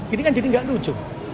ini kan jadi nggak lucu